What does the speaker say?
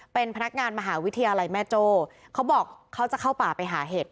เป็นพนักงานมหาวิทยาลัยแม่โจ้เขาบอกเขาจะเข้าป่าไปหาเห็ด